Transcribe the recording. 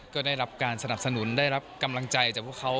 ก็ได้รับการสนับสนุนได้รับกำลังใจจากพวกเขา